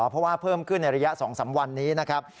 เพราะว่าเพิ่มขึ้นในระยะ๒๓วันนี้นะครับ